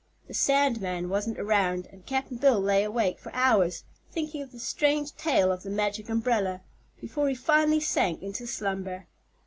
The sandman wasn't around and Cap'n Bill lay awake for hours thinking of the strange tale of the Magic Umbrella before he finally sank into slumber.